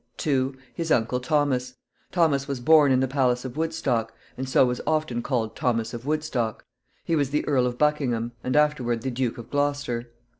2. His uncle Thomas. Thomas was born in the palace of Woodstock, and so was often called Thomas of Woodstock. He was the Earl of Buckingham, and afterward the Duke of Gloucester.